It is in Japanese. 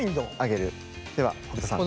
では北斗さん